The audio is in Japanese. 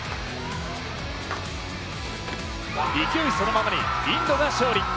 勢いそのままに、インドが勝利。